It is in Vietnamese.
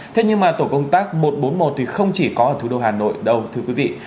thế nhưng mà tổ công tác một trăm bốn mươi một thì không chỉ có ở thủ đô hà nội đâu thưa quý vị